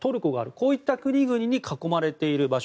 こういった国々に囲まれている場所。